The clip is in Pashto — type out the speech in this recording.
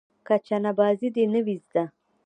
که چنه بازي دې نه وي زده.